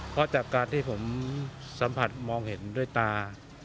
เพราะจากการที่ผมสัมผัสมองเห็นด้วยตา